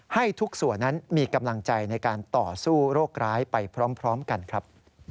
ให้ทุกส่วนนั้นมีกำลังใจในการต่อสู้โรคร้ายไปพร้อมกันครับ